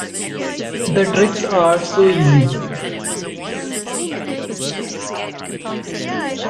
The tricks are so easy.